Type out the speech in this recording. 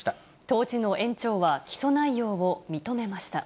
当時の園長は、起訴内容を認めました。